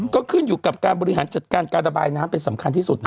ก็ขึ้นอยู่กับการบริหารจัดการการระบายน้ำเป็นสำคัญที่สุดนะ